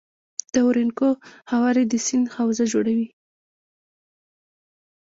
د اورینوکو هوارې د سیند حوزه جوړوي.